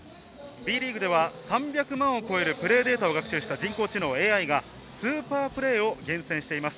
Ｂリーグでは３００万を超えるプレーデータを学習した人工知能ＡＩがスーパープレーを厳選してます。